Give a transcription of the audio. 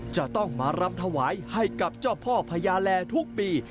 จะต้องมารำถวายให้กับเจ้าพ่อพญาแลทุกปี